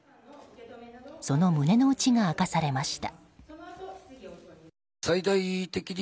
その胸の内が明かされました。